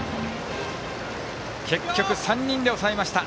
結局３人で抑えました。